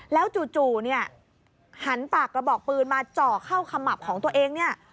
แล้วจู่เนี่ยหันปากกระบอกปืนมาเจาะเข้าขมับของตัวเองเนี่ย